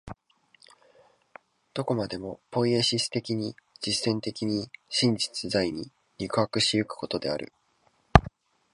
どこまでもポイエシス的に、実践的に、真実在に肉迫し行くことである。